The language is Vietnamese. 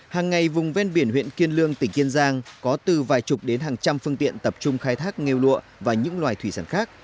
hàng ngày vùng ven biển huyện kiên lương tỉnh kiên giang có từ vài chục đến hàng trăm phương tiện tập trung khai thác ngu lụa và những loài thủy sản khác